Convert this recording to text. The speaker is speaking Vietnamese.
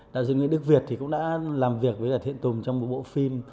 đạo diễn viên đức việt cũng đã làm việc với thiện tùng trong một bộ phim